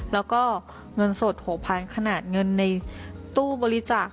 แล้วก็เงินสดหกพันธุ์ขนาดเงินในตู้บริจาค